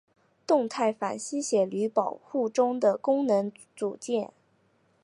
动态反吸血驴保护中的功能组件。